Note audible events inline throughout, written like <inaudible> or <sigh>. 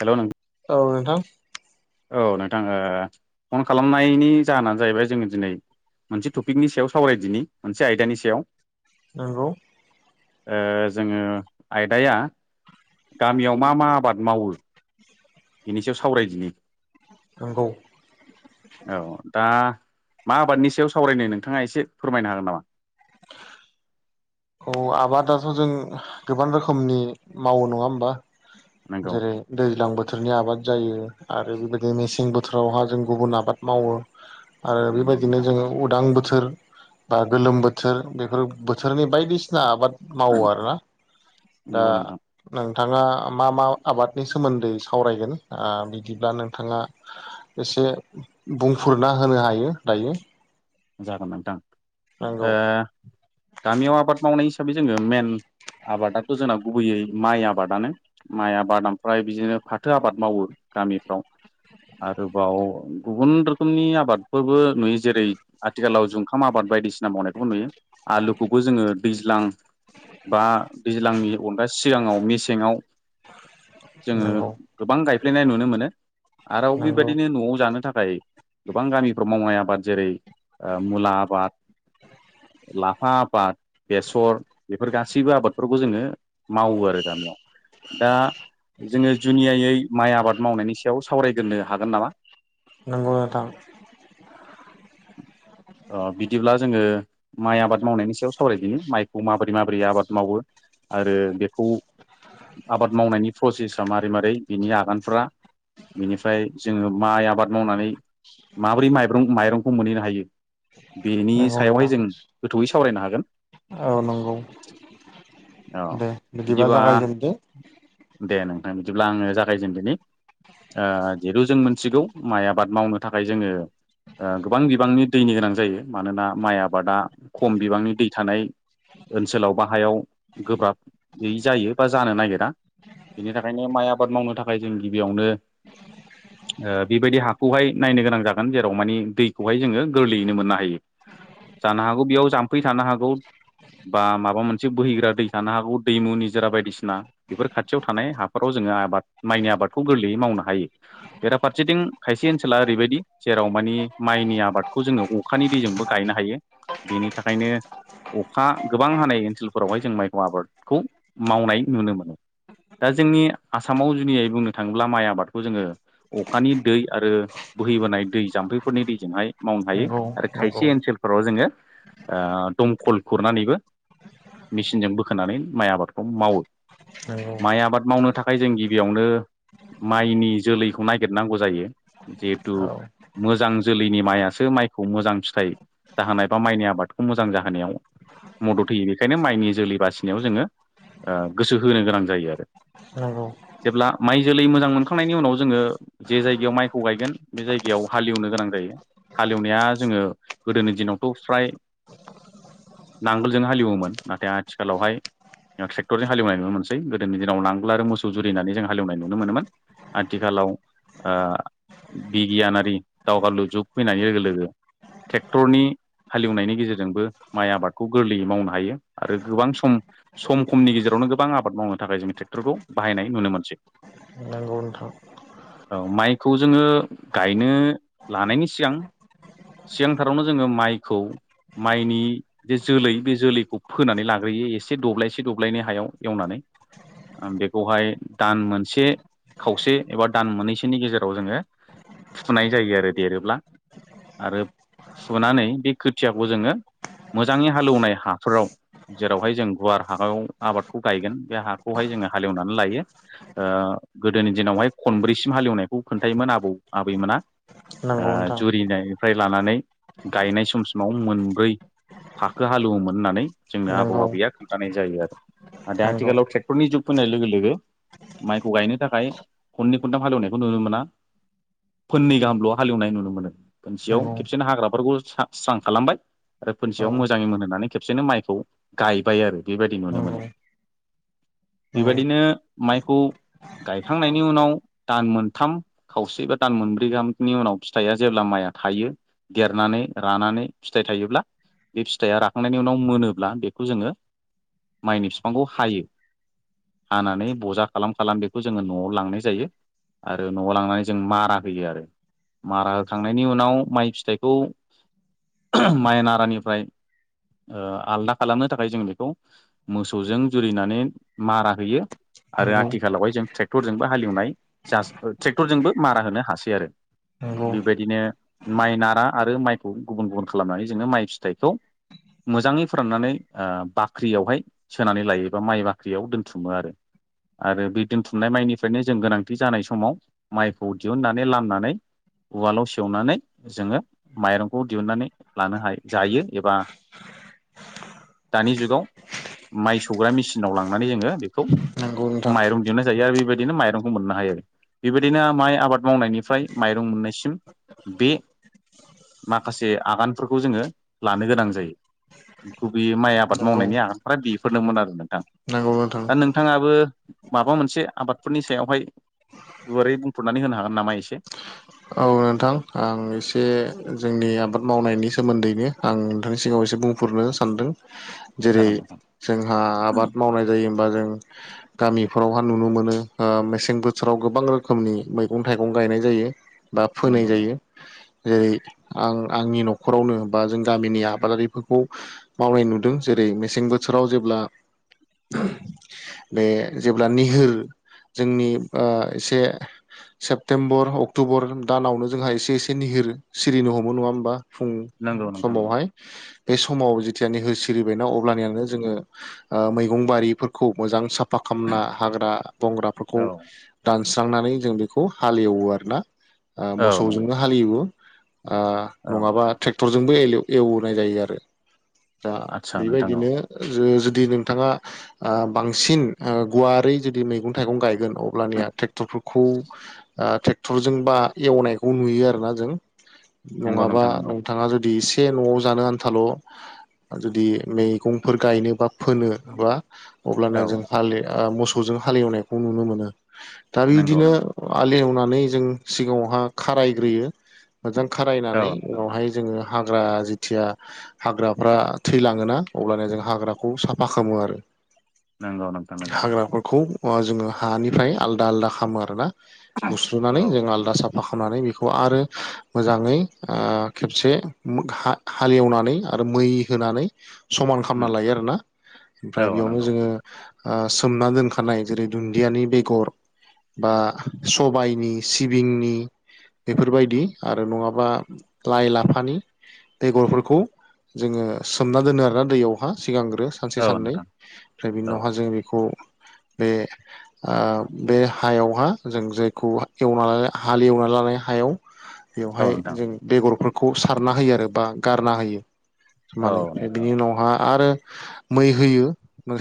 Hello नों औ नोंथां औ नोंथां ओ फन खालामनायनि जाहोनानो जाहैबाय जोङो दिनै मोनसे टपिकनि सायाव सावरायदिनि मोनसे आयदानि सायाव नंगौ ओ जोङो आयदाया गामियाव मा मा आबाद मावो एसेयाव सावरायदिनि नंगौ औ दा मा आबादनि सायाव सावरायनो नोंथाङा एसे फोरमायनो हागोन नामा औ आबादाथ' जों गोबां रोखोमनि मावो नङा होमबा? नंगौ जेरै दैज्लां बोथोराव बोथोरनि आबाद जायो आरो बेबायदि मेसें बोथोरावहा जों गुबुन आबाद मावो आरो नंगौ बेबायदिनो नोंथां जोङो उदां बोथोर बा गोलोम बोथोर बेफोर बोथोरनि बायदिसिना आबाद मावो आरोना दा नंगौ नोंथां नों नोंथाङा मा मा आबादनि सोमोन्दै सावरायगोन बिदिब्ला नोंथाङा एसे बुंफोरना होनो हायो दायो। जागोन नोंथां नंगौ गामियाव आबाद मावनाय हिसाबै जोङो मेन आबादाथ' जोंना गुबैयै माइ आबादानो माइ आबाद ओमफ्राय बिदिनो फाथो आबाद मावो। गामिफ्राव आरोबाव गुबुन रोखोमनि आबादफोरबो नुयो जेरै आथिखालाव जुखाम आबाद बायदिसिना मावनायखौबो नुयो आलुखौबो जोङो दैज्लां बा दैज्लांनि अनगा सिगाङाव मेसेङाव जोङो नंगौ गोबां गायफ्लेनाय नुनो मोनो आरोबाव नंगौ बेबायदिनो न'आव जानो थाखाय गोबां गामिफ्राव मावनाय आबाद जेरै मुला आबाद लाफा आबाद बेसर बेफोर गासैबो आबादफोरखौ जोङो मावो आरो गामियाव दा जोङो। जुनियायै माइ आबाद मावनायनि सायाव सावरायग्रोनो हागोन नामा। नंगौ नोंथां। ओ बिदिब्ला जोङो माइ आबाद मावनायनि सायाव सावरायदिनि माइखौ मा बायद बि माबोरै आबाद मावो आरो बेखौ आबाद मावनायनि प्रसेस सा मारै मारै बिनि आगानफ्रा बेनिफाय जोङो माइ आबाद मावनानै माबोरै माइरं माइरंखौ मोनहैनो हायो। बेनि नंगौ सायावहाय नोंथां जों गोथौयै सावरायनो हागोन। औ नंगौ औ दे बिदिबा जागायजेनदो। ओं दिब्ला आङो जागायजेनदोनि ओ जेेथु जों मिथिगौ माइ आबाद मावनो थाखाय जोङो ओ गोबां बिबांनि दैनि गोनां जायो। मानोना माइ आबादा खम बिबांनि दै थानाय ओनसोलाव बा हायाव गैयै जायो बा जानो नागिरा बेनि थाखायनो माइ आबाद मावनो थाखाय जों गिबियावनो <inaudible> ओ बे बायदि हाखौहाय नायनो गोनां जागोन। जेराव माने दैखौहाय जोङो गोरलैयैनो मोननो हायो। जानो हागौ बेयाव जाम्फै थानो हागौ बा माबा मोनसे बोहैग्रा दै थानो हागौ दैमु निजोरा बायदिसिना बेफोर खाथियाव थानाय हाफोराव जोङो आबाद माइनि आबादखौ गोरलैयै मावनो हायो। बेरा फारसेथिं खायसे ओनसोला ओरै बायदि जेराव मानि माइनि आबादखौ जोङो अ अखानि दैजोंबो गायनो हायो। बेनि थाखायनो अखा गोबां हानाय ओनसोलफोरावहाय जों माइ आबादखौ मावनाय नुनो मोनो। दा जोंनि आसामाव जुनियायै बुंनो थाङोब्ला माइ आबादखौ जोङो। अखानि दै आरो बोहैबोनाय दै जाम्फैफोरनि दैजोंहाय मावनो हायो। नंगौ आरो खायसे नंगौ ओनसोल फोराव जोङो ओ दमखल खुरनानैबो मेचिनजों बो खोनानै माइ आबादखौ मावो। नंगौ माइ आबाद मावनो थाखाय जों गिबियावनो माइनि जोलैखौ नागिरनांगौ जायो। जिहेथु औ मोजां जोलैनि माइआसो माइखौ मोजां फिथाइ जाहोनाय बा माइनि आबादखौ मोजां जाहोनायाव मदद होयो। बेखायनो माइनि जोलै बासि नियाव जोङो ओ गोसो होनो गोनां जायो आरो। औ। जेब्ला माइ जोलै मोजां मोनखांनायनि उनाव जोङो जे जायगायाव माइखौ गायगोन बे जायगायाव हालेवनो गोनां जायो। हालेवनाया जोङो गोदोनि दिनावथ' फ्राय नांगोलजों हालेवोमोन नाथाय आथिखालावहाय। ओ ट्रेक्टरजों हालेवनाय नुनो मोनसै। गोदोनि दिनाव नांगोल आरो मोसौ जुरिनानै जों हालेवनाय नुनो मोनोमोन। आथिखालाव ओ बिगियानारि दावगालु जुग फैनाय लोगो लोगो। ट्रेक्टरनि हालेवनायनि गेजेरजोंबो माइ आबादखौ गोरलैयै मावनो हायो। आरो गोबां सम सम खमनि गेजेरावनो गोबां आबाद मावनो थाखाय जों ट्रेक्टरखौ बाहायनाय नुनो मोनसै। नोंगौ नो औ माइखौ जोङो गायनो लानायनि सिगां सिगांथारावनो जोङो माइखौ माइनि जे जोलै बे जोलैखौ फोनानै लाग ग्रोयो एसे दब्लायसे दब्लायनै हायाव एवनानै। ओं बेखौहाय दान मोनसे खावसे एबा दान मोननैसोनि गेजेराव जोङो। फुथुनाय जायो आरो देरोब्ला। आरो फुनानै बे खोथियाखौ जोङो मोजाङै हालेवनाय हाफोराव जेरावहाय जों गुवार हायाव आबादखौ गायगोन। बे हाखौहाय जोङो हालेवनानै लायो। ओ गोदोनि दिनावहाय खनब्रैसिम हालेवनायखौ खोन्थायोमोन आबौ आबैमोना। आ नंगौ नोंथां जुरिनाय फ्राय लानानै गायनाय समसिमाव मोनब्रै फाखो हालौयोमोन होननानै जोंनो आबौ नंगौ आबैया खोन्थानाय जायो आरो। नंगौ आथिखालाव ट्रेक्टरनि जुग फैनाय लोगो लोगो माइखौ गायनो थाखाय खननै खनथाम हालेवनायखौ नुनो मोना। फोननै गाहामल' हालेवनाय नुनो मोनो। खोनसेयाव नंगौ खेबसेनो हाग्राफोरखौ स्रां खालामबाय। आरो औ फोनसेयाव मोजाङै मोनहोनानै खेबसेनो माइखौ गायबाय आरो बेबायदि नुनो नंगौ मोनो औ बेबायदिनो माइखौ गायखांनायनि उनाव दान मोनथाम खावसे बा दान मोनब्रै गाहामनि उनाव फिथाइया जेब्ला माइ थायो देरनानै रानानै फिथाइ थायोब्ला बे फिथाइया राखांनायनि उनाव मोनो ब्ला बेखौ जोङो माइनि बिफांखौ हायो हानानै बजा खालाम- खालाम बेखौ जोङो न'आव लांनाय जायो आरो न'आव लांनानै जों मारा होयो आरो मारा होखांनायनि उनाव माइ फिथाइखौ माइनारानिफ्राय ओ आलदा खालामनो थाखाय जों बेखौ मोसौजों जुरिनानै मारा होयो आरो नंगौ आथिखालावहाय जों ट्रेक्टरजोंबो हालेवनाय ट्रेक्टरजोंबो मारा होनो हासै आरो नंगौ बेबायदिनो माइ नारा आरो माइखौ गुबुन- गुबुन खालामनानै जोङो माइ फिथाइखौ मोजाङै फोराननानै ओ बाख्रियावहाय सोनानै लायो बा माइ बाख्रियाव दोनथुमो आरो आरो बे दोनथुमनाय माइनिफ्रायनो जों गोनांथि जानाय समाव माइखौ दिहुननानै लामनानै उवालाव सेवनानै जोङो माइरंखौ दिहुनन्नानै लानो हायो जायो एबा दानि जुगाव माइ सौग्रा मेसिनाव लांनानै जोङो बेखौ नंगौ नोंथां माइरं दिनो जायो आरो बे बायदिनो माइरंखौ मोननो हायो आरो बेबायदिनो माइ आबाद मावनायनिफ्राय माइरं मोननायसिम बे माखासे आगानफोरखौ जोङो लानो गोनां जायो गुबुयै माइ आबाद नंगौ मावनायनि आगानफ्रा बेफोरनोमोन आरो नोंथां नंगौ नोंथां दा नोंथाङाबो माबा मोनसे आबादफोरनि सायावहाय गुवारै बुंफोरनानै होनो हागोन नामा एसे औ नोंथां आं एसे जोंनि आबाद मावनायनि सोमोन्दैनो आं नोंथांनि सिगाङाव एसे बुंफोर नो सानदों जेरै जागोन नोंथां जोंहा आबाद मावनाय जायो होमबा जों गामि फोरावहा नुनो मोनो ओ मेसें बोथोराव गोबां रोखोमनि मैगं - थाइगं गायनाय जायो बा फोनाय नंगौ जायो नोंथां जेरै आं आंनि न'खरावनो बा जों गामिनि आबादारिफोरखौ मावनाय नुदों जे रै मेसें बोथोराव जेब्ला बे जेब्ला निहोर जोंनि आ एसे सेप्तेम्बर, अक्ट'बर दानावनो जोंहा एसे- एसे निहोर सिरिनो हमो नङा होमबा फुं नंगौ नोंथां समावहाय बे समाव जिथिया नि हो सिरिबायना अब्लानियानो जोङो ओ मैगं बारिफोरखौ मोजां साफा खामना हाग्रा- बंग्राफोरखौ औ दान स्रांनानै जों बेखौ हालेवो आरो ना औ नंगौ मोसौजोंनो हालेवो ओ औ नङाबा नोंथां ट्रेक्टरजोंबो एवनाय जायो आरो दा आदसा नोंथां औ बेबायदिनो जो जो जुदि नोंथाङा बांसिन गुवारै जुदि मैगं -थाइगं गायगोन अब्लानिया ट्रेक्टरफोरखौ ट्रेक्टरजों बा एवनायखौ नुयो आरो ना जों नंगौ नंङाबा नोंथां नंगौ नोंथाङा जुदि एसे एसे न'आव जानो आन्थाल' जुदि मैगंफोर गायनोबा फोनो बा अब्लाना औ जों हाल मोसौजों हालेवनायखौ नुनो मोनो दा नंगौ बिदिनो नोंथां आलि एवनानै जों सिगाङावहा खारायग्रोयो मोजां औ खारायनानै नोंथां उनावहाय जोङो हाग्रा जिथिया हाग्राफ्रा थैलाङोना अब्लानो जों हाग्राखौ साफा खालामो आरो नंगौ नोंथां नंगौ अ जोङो हानिफ्राय आलदा - आलदा खामो आरो ना बुस्रुनानै औ जों आलदा बाखावनानै बेखौ आरो मोजाङै खेबसे हालेवनानै आरो मै होनानै समान खालामना उम लायो आरोना ओमफ्राय औ बेयावनो नंगौ जोंङो सोमना दोनखानाय जेरै दुन्दियानि बेगर बा सबायनि सिबिंनि बेफोरबायदि आरो नंङाबा लाइ लाफानि बेगरफोरखौ जोङो सोमना दोनो आरोना दैयावहा सिगांग्रो सानसे औ साननै नोंथां ओमफ्राय बिनि औ उनावहा जोंङो बेखौ बे ओ बे हायावहा जों जायखौ एवनानै हालेवना लानाय हायाव औ बेवहाय नोंथां जों बेगरफोर खौ सारना होयो आरो बा गारना होयो औ माने ओमफ्राय नोंथां बिनि उनावहा आरो मै होयो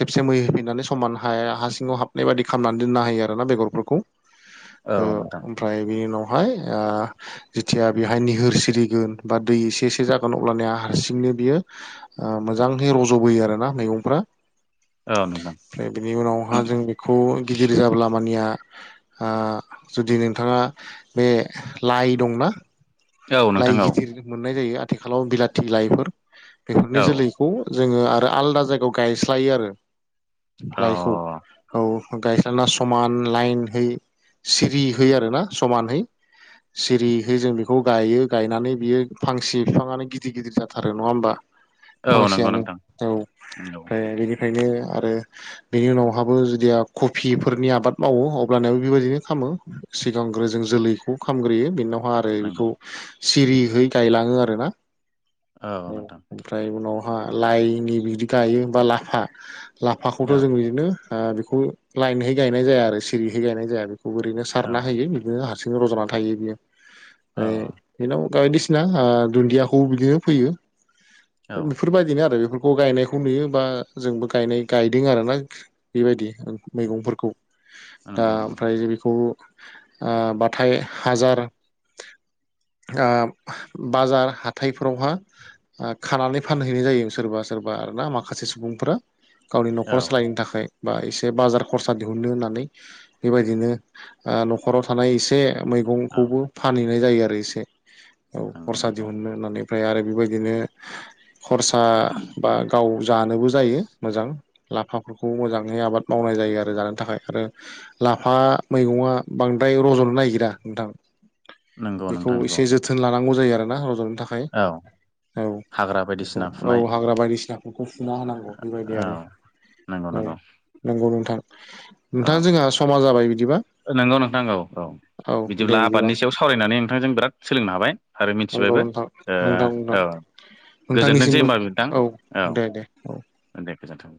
खेबसे मै होफिनानै समान हाया हा सिङाव हाबनाय बायदि खालामनानै दोननो हायो आरो बेगरफोरखौ ओ औ नोंथां ओमफ्राय बेनि उनावहाय ओ जिथिया बेवहाय निहोर सिरिगोन बा दै एसे एसे जागोन अब्लानिया हारसिंनो बियो ओ मोजांङै रज'बोयो आरोना मैगंफ्रा। औ नोंथां ओमफ्राय बिनि उनावहा जों बेखौ गिदिर जाब्ला मानिया ओ जुदि नोंथाङा बे लाइ दंना? औ लाइ नोंथां औ गिदिर मोननाय जायो आथिखालाव बिलाथि लाइफोर बेफोरनि औ जोलैखौ जोङो आरो आलादा जायगायाव गायस्लायो आरो लाइखौ अ औ गायस्लायना समान लाइनहै सिरिहोयो आरोना समानहै सिरिहै जों बेखौ खौ गायो गायनानै बियो फांसे बिफाङानो गिदिर गिदिर जाथारो नङा होमबा? औ नंगौ फांसेयानो नोंथां औ नंगौ फ्राय बिनि ओंखायनो आरो बेनि उनावहाबो जुदिया कफिफोरनि आबाद मावो अब्लानायाबो बेबायदिनो खाम मो सिगांग्रो जों जोलैखौ खामग्रोयो बेनावहा आरो नंगौ खौ सिरियै गायलांङो आरोना। औ नोंथां। हा लाइनि बिदि गायो लाफा लाफाखौथ' औ जों बिदिनो ओ बेखौ लाइनहै गायनाय जाया आरो सिरिहै गायनाय जाया बेखौ ओरैनो औ सारना होयो बिदिनो हारसिं रज'नानै थायो बियो बेनाव बायदिसिना ओ दुन्दियाखौ बिदिनो फैयो औ बेफोरबायदिनो आरो बेफोर खौ गायनायखौ नुयो बा जोंबो गायनाय गायदों आर ना बेबायदि मैगंफोरखौ। दा नंगौ नंगौ नोंथां ओमफ्राय बेखौ बाथाय हाजार <inaudible> बाजार हाथाइफोरावहा खानानै फानहैनाय जायो सोरबा सोरबा आरोना माखासे सुबुंफोरा गावनि औ न'खर सालायनो थाखाय। बा एसे बाजार खरसा दिहुननो होननानै बेबायदिनो न'खराव थानाय एसे औ मैगंखौबो फानहैनाय जायो आरो एसे औ नंगौ खरसा नंगौ दिहुननो होननानै ओमफ्राय आरो बेबायदिनो खरसा बा गाव जानोबो जायो मोजां लाफाफोरखौ मोजाङै आबाद मावनाय जायो आरो जानो थाखाय आरो लाफा मैगंङा बां द्राय रज'ननो नागिरा नोंथां नंगौ बेखौ नोंथां नंगौ एसे जोथोन लानांगौ जायो आरोना रज'नो थाखाय औ औ हाग्रा बेखौ बायदिसिना औ फुनाय हाग्रा बायदिसिनाफोरखौ फुना होनांगौ बेबायदि औ आरो। नंगौ औ नंगौ नंगौ नोंथां। नोंथां जोंहा समा जाबाय बिदिबा नंगौ नोंथां नंगौ औ औ बिदिब्ला दे बिदिबा आबादनि सायाव सावरायनानै नोंथांजों बिराद सोलोंनो हाबाय आरो नंगौ मिथिबायबो नोंथां ओ नोंथां औ। नोंथां गोजोनथोंसै नोंथांनिसिमबो होनबा नोंथां औ दे दे औ दे गोजोनथों।